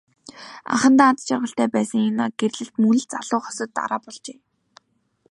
Анхандаа аз жаргалтай байсан энэ гэрлэлт мөн л залуу хосод дараа болжээ.